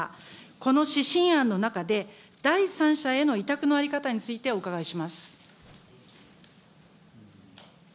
この指針案の中で、第三者への委託の在り方についてお伺いします。